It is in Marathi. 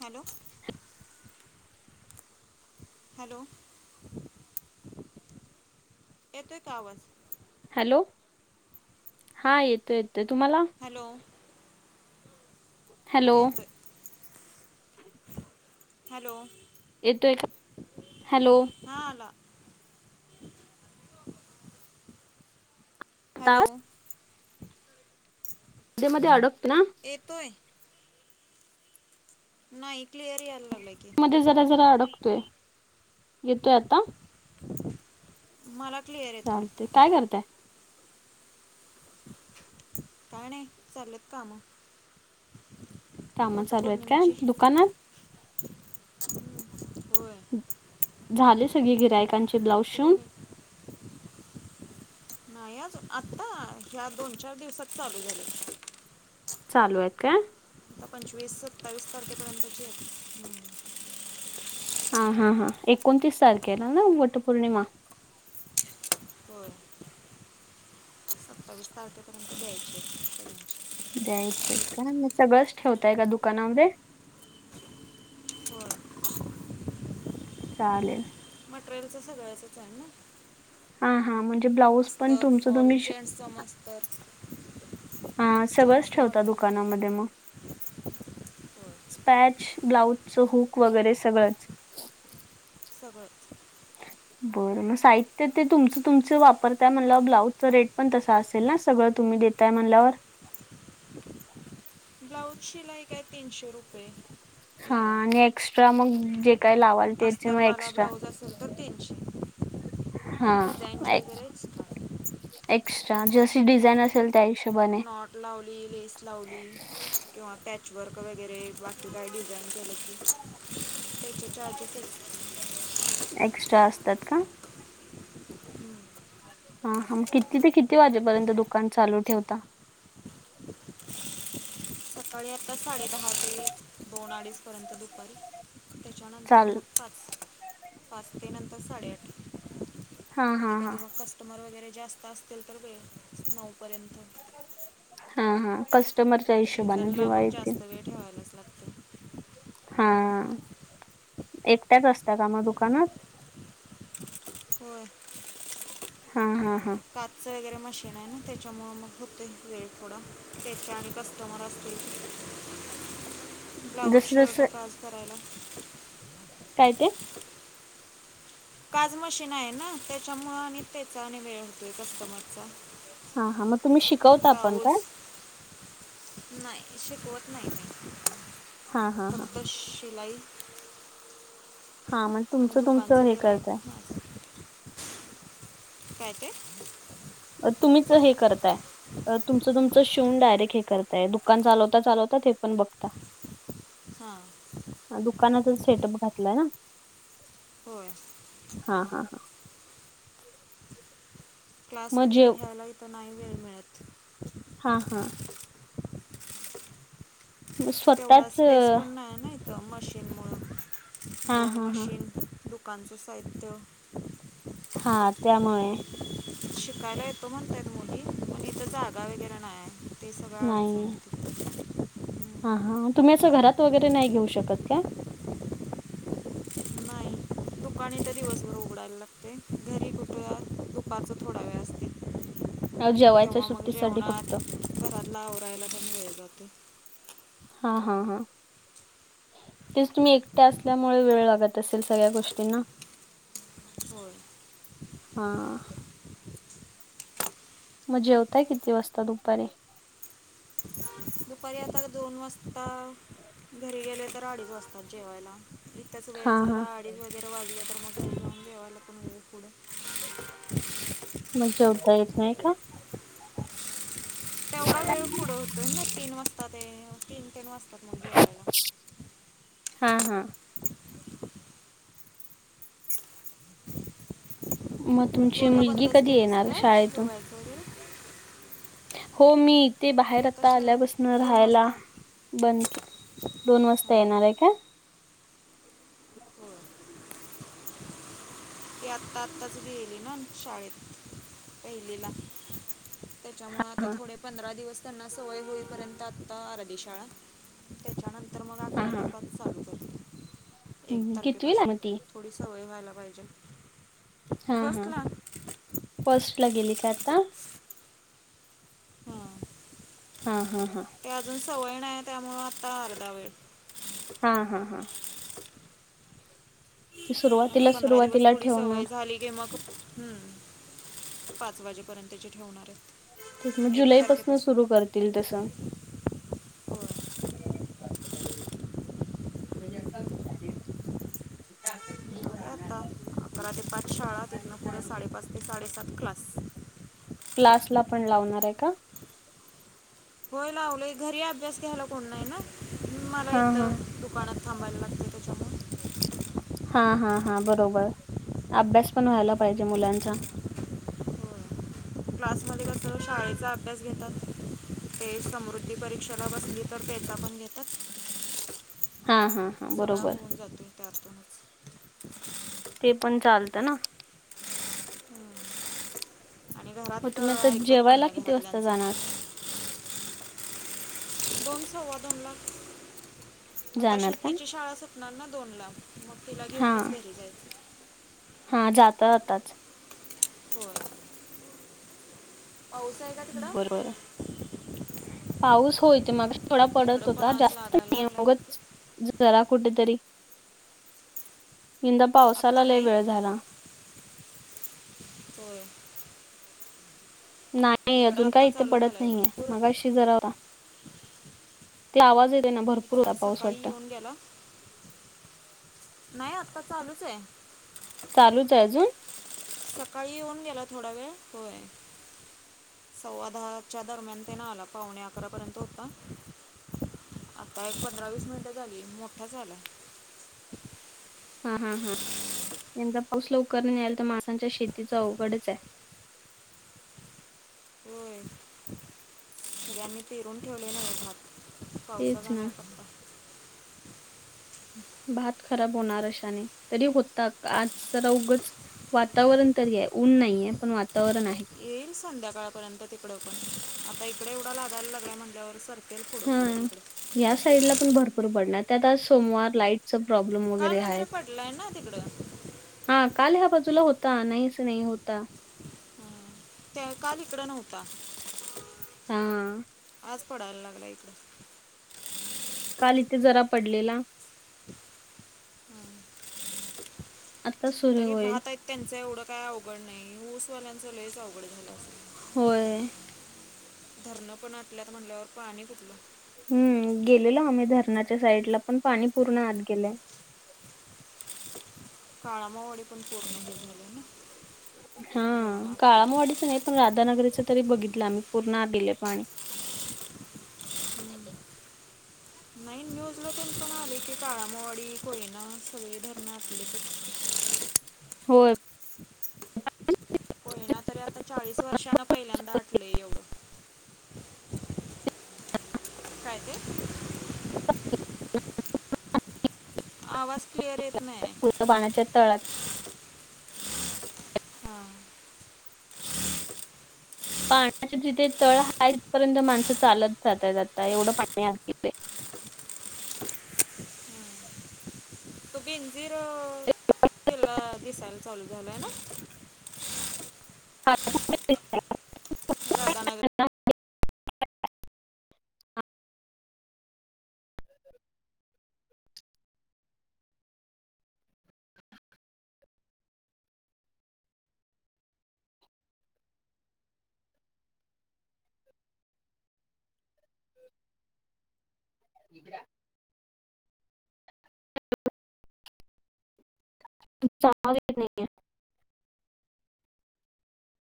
हॅलो हॅलो येतोय का आवाज? हॅलो हा येतो येतो तुम्हाला. हॅलो हॅलो येतोय हॅलो येतो एक हॅलो? [inaudible] आता हॅलो मध्ये मध्ये अडकत ना येतोय नाही क्लिअर यायला लागलाय की मध्ये जरा जरा अडकतोय? येतोय आता मला क्लिअर येतोय चालते काय करतय का नाही चालेत काम काम चालू आहेत का दुकानात. होय झाले सगळे गिरायकांचे ब्लाऊज तू शिवुन? कोणी नाही आजन आता ह्या दोन चार दिवसात चालू झाले. चालू आहेत का आता पंचवीस सत्तावीस तारखेपर्यंतची आहे, हा हा हा एकोणतीस तारखेला आहे ना वटपौर्णिमा, हो सत्तावीस तारखेपर्यंत द्यायचे द्यायचे का मी सगळंच ठेवतय का दुकानामध्ये, होय चालेल मटेरियलचं सगळ्याचंच आहे ना हा हा म्हणजे ब्लाऊज पण अस्तर तुमचं फॉल तुम्ही श- जेंट्स समजतर, हा सगळंच ठेवता दुकानामध्ये मग मटेरियल होय स्पॅच, ब्लाउजच हूक वगैरे सगळंच, सगळंच हा बरं मग साहित्य ते तुमचं तुमच वापरताय म्हला ब्लाउजचं रेट पण तसा असेल ना सगळं तुम्ही काय म्हणल्यावर ब्लाऊज शिलाई का आहे तीनशे रुपये हा इकडं आणि आहे एक्स्ट्रा मग जे काय लावाल त्याचे मग अस्तरवाला एक्स्ट्रा ब्लाऊज असेल तर तीनशे,, हा डिझाईनचे वगैरे एक्स्ट्रा एक्स्ट्रा जशी डिझाईन असेल त्या हिशोब नॉट लावली लेस लावली किंवा पॅच वर्क वगैरे वाटू काही डिझान त्याचे चार्ज ते त्या असतात का. हा हा मग किती ते किती वाजेपर्यंत दुकान चालू ठेवता. तरी आत्ता साडे दहा ते दोन अडीचपर्यंत दुपारी. त्याच्यानंतर चाल मग पाच, पाचते नंतर साडेआठ हा कधी हा हा कधी मग कस्टमर वगैरे जास्त असतील तर वेळ नऊपर्यंत. हा हा कस्टमरच्या हिशोबने सीझनला जेव्हा मग येतील. जास्त वेळ ठेवायलाच लागतो ह एकट्याच असता का मग दुकानात. होय. हा हा. काच वगैरे मग मशिन आहे ना त्याच्यामुळे मग होते वेळ थोडा त्याच्या आणि कस्टमर असतील ब्लाऊज जसं शर्ट जसं का आज करायला. काय ते? काज मशीन आहे ना त्याच्यामुळे आणि त्याचा आणि वेळ होतोय कस्टमरचा. हा हा मग तुम्ही शिकवता पण ब्लाऊज काय? नाही शिकवत नाही मी हा हा हा फक्त शिलाई हा मग आणि तुमचं तुमचं दुकानचं हे करताय. गिराईक माझं काय ते? अ, तुम्हीच हे करताय. तुमचं तुमचं शिवून डायरेक्ट हे करताय दुकान चालवता चालवता ते हे पण बघता. हा. दुकानाचा स्टेटअप घातलाय ना. होय. हा हा हा. क्लास मग वगैरे जेव घ्यायला इथं नाही वेळ मिळत. हा हा. स्वतःच मशीन मुळ हा दोन हा हा मशीन लोकांचं साहित्य. हा त्यामुळे. शिकायला येतो म्हणतय मुली, पण इथ जागा वगैरे नाहीय. ते सगळं अडचण नाही होते. हा हा तुम्ही असं घरात वगैरे नाही घेऊ शकत काय. दुकाने तरीवसभर उघडायला लागते घरी कुठ पाच थोडा वेळ असते. अ, जेवायच्या तेव्हा मग सुट्टीसाठी जेवणात फक्त घरातलं आवरायला पण वेळ जाते. हा हा हा. तेच तुम्ही एकट्या असल्यामुळे वेळ लागत असेल सगळ्या गोष्टींना. होय हा. मग जेवताय किती वाजता दुपारी? दुपारी आता दोन वाजता घरी गेले तर अडीच वाजता. जेवायला इच हा वेळ हा झाला अडीच वगैरे वाजूया तर मग घरी जाऊन जेवायला पण वेळ कूड. मग जेवता येत नाही का. तेवढा वेळ पुढे होतो ना तीन वाजता ते तीन तीन वाजता. येतात मग जेवायला. हा हा. मग तू तुमची आता मुलगी बंदच कधी केलीस येणार काय शाळेतून? शिवायचं वगैरे हो मी इथे ती बाहेर आता श आल्यापासन दोन राहायला वाजता हां बंद दोन वाजता येणार हां आहे का. होय ती आता आत्ताचरी गेली ना शाळेत पहिलीला. [unintelligible] त्याच्यामुळे आता हा थोडे पंधरा दिवस. त्यांना सवय होईपर्यंत आत्ता आरडी शाळा त्याच्यानंतर. मग हा अकरा हा. ते पाच चालू करते एक हम्म, तारखे कितवीला पाासून मग ती थोडी सवय व्हायला पाहिजे. फस ला. फस्ट ला गेली काय आता. हां हा हा हा. ते अजून सवय नाही त्यामुळ आता अर्धा वेळ. हा हा हा. ते आता सुरुवातीला पंधरा दिवस सुरुवातीला थोडी ठेवणार सवय झाली की मग हम्म. पाच वाजेपर्यंतचे ठेवणार आहेत. ठीक मग एक जुलैपासून तारखेपासून सुरू करतील तस. होय म्हज [unintelligible] आहे राहणार आता पाहिजे [unintelligible] अकरा ते पाच शाळ येथनं पुढं साडेपाच ते साडेसात क्लास. क्लास ला पण लावणार आहे का. लावलय घरी अभ्यास घ्यायला कोण नाय ना मला हा हा इथं दुकानात थांबायला लागतय त्याच्यामु हा हा हा बरोबर अभ्यास पण व्हायला पाहिजे मुलांचा. होय क्लासमध्ये कस शाळेचा अभ्यास घेतात. ते समृद्धी परीक्षेला बसली तर पेता पण घेतात. हा हा हा सगळा बरोबर होऊन जातो त्याथ. ते पण चालतं ना. हम्म. आणि मग घरात तुम्ही आता ऐकत पण जेवायला नाही किती वाजता घरातल्यांचं.. जाणार दोन सव्वा दोन ला आता जाणार का? शेतीची शाळा सुटणार ना दोन ला. मग तिला हा घेऊनच घरी जायचे हा जात आताच त पाऊस आहे का तिकडं बरं बरं पाऊस होय ते मग थोडा पडत इकडं पण होता आज लागायला लागलाय जास्तग जरा कुठेतरी यंदा आत्ता पावसालाला नाही वेळ झाला हो नाही अजून काही इथे चालू पडत झालाय नाहीये भरपूर मगा शिजरावा ते आवाज येते ना भरपूर इथं होता पण पाऊस सकाळी वाटतं. येऊन गेला नाही आत्ता चालूच आहे चालूच आहे अजून सकाळी येऊन गेला थोडा वेळ होय सव्वा दहाच्या दरम्यान ते न आला पावणे अकरापर्यंत होता आता एक पंधरा वीस मिनिटं झाली मोठा झालाय हा हा हा यंदा पाऊसला उकरणेल तर मासांच्या शेतीचा अवघडच आहे होय सगळ्यांनी पिरून ठेवलेलं भात तेच पावसाचा ना नाही पणता भात खराब होणार अशाने तरी होता आज अवघच वातावरण तरी आहे ऊन नाहीये पण वातावरण आहे. येईल संध्याकाळपर्यंत तिकडं पण आता तकडे एवढा लागायला लागा म्हणजल्यावर सर्केल पुुढं पुुढं हं. तिकडे या साईडला पण भरपूर पडणार. त्यात सोमवार लाईटच प्रॉब्लेम काल वगैरे आहेत. पडलाय ना तिकडं हा काल ह्या बाजूला होता नाही अस नाही होता. त्या काल इकडं नव्हता. हा. आज पडायला लागला इकडं. काल इथे जरा पडलेला. आता सुरू तरी होईल. भात आहेत त्यांच एवढं काय अवघड नाही ऊसवाल्यांचं लयच अवघड झालं अस. होय. धरणं पण आपल्यात म्हणल्यावर पाणी कुटलं. हम्म गेलेलो आम्ही धरणाच्या साईड ला पण पाणी पूर्ण आात गेलंय. काळा मावडी पण पूर्ण हे झाले ना. हा धरण काळामवाडीच आटलं नाही पण राधानगरीच तरी बघित तला मी पुर्ण आत गेले पाणी. नाही न्यूज ला पण पण आले की काळामवाडी, कोयना सगळे धरण अटलेत. [inaudible] होय. ना तरी आता चाळीस वर्षांनं पहिल्यांदा आटले एवढं. काय ते? आवाज क्लिअर येत नाही पूर्ण पाण्याच्या तळात हा. पाण्याचे जिथे तळ हा तथपर्यंत माणसं चालत जात आहेत आता एवढं पाणी आहे तिथे. [inaudible] तो बेंजीर अं, किल्ला दिसायला चालू झालंय ना. राधानगरला [unintelligible] इकडा [unintelligible]